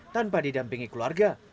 tanpa didampingi keluarga